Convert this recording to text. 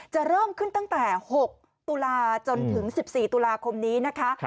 จะเริ่มขึ้นตั้งแต่๖ตุลาจนถึง๑๔ตุลาคมนี้นะคะ